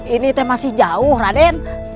ini teh masih jauh raden